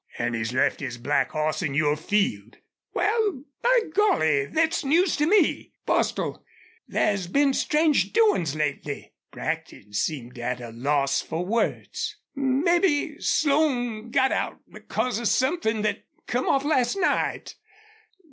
An' he's left his black hoss in your field." "Wal, by golly, thet's news to me.... Bostil, there's been strange doin's lately." Brackton seemed at a loss for words. "Mebbe Slone got out because of somethin' thet come off last night....